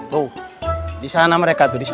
tuh di sana mereka tuh di sana